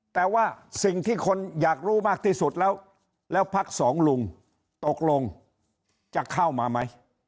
แต่ว่าสิ่งที่คนอยากรู้มากที่สุดแล้วแล้วพักสองลุงตกลงจะเข้ามาไหม